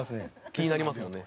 気になりますよね。